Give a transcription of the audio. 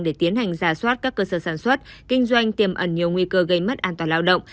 để tiến hành giả soát các cơ sở sản xuất kinh doanh tiềm ẩn nhiều nguy cơ gây mất an toàn lao động